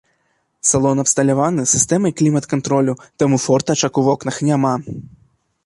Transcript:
Салон абсталяваны сістэмай клімат-кантролю, таму фортачак ў вокнах няма.